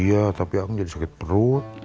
iya tapi akang jadi sakit perut